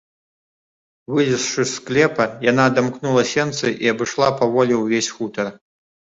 Вылезшы з склепа, яна адамкнула сенцы і абышла паволі ўвесь хутар.